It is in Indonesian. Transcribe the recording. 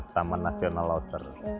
taman nasional lauser